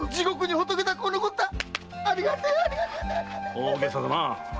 大げさだな。